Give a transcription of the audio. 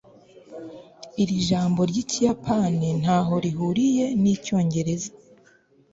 iri jambo ry'ikiyapani ntaho rihuriye n'icyongereza